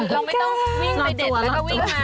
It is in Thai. เราไม่ต้องวิ่งไปเด็กแล้วก็วิ่งมา